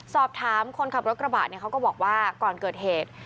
สอบถามคนขับรถกระบะเนี่ยเขาก็บอกว่าก่อนเกิดเหตุ